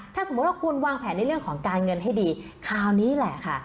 ถ้าสมมุติว่าคุณวางแผนในเรื่องของการเงินให้ดีคราวนี้แหละค่ะ